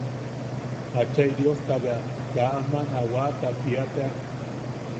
Achai Diosta bea kaa aman a wata tia tea.